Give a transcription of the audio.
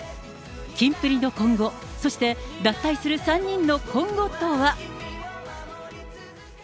キンプリの今後、そして、脱退する３人の今後とは。